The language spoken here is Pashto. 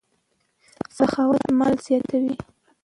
سخاوت مال زیاتوي.